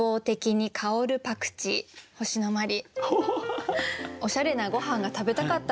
おしゃれなごはんが食べたかったんですよ。